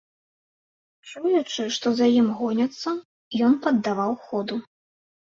Чуючы, што за ім гоняцца, ён паддаваў ходу.